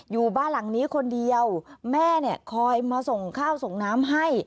อยู่บ้านหลังนี้คนเดียวแม่เนี่ยคอยมาส่งข้าวส่งน้ำให้